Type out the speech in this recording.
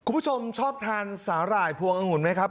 คุณผู้ชมชอบทานสาหร่ายพวงองุ่นไหมครับ